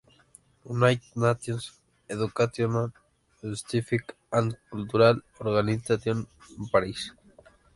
United Nations Educational, Scientific and Cultural Organization: Paris.